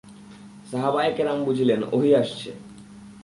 সাহাবায়ে কেরাম বুঝলেন, ওহী আসছে।